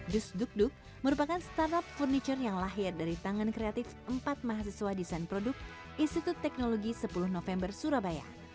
dus duk duk merupakan startup furniture yang lahir dari tangan kreatif empat mahasiswa desain produk institut teknologi sepuluh november surabaya